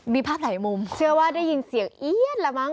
มีภาพหลายมุมเชื่อว่าได้ยินเสียงเอี๊ยนละมั้ง